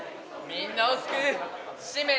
みんなを救う使命」。